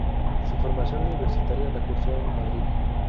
Su formación universitaria la cursó en Madrid.